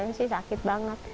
rasanya sih sakit banget